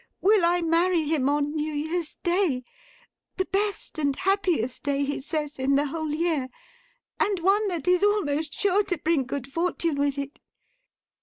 —will I marry him on New Year's Day; the best and happiest day, he says, in the whole year, and one that is almost sure to bring good fortune with it.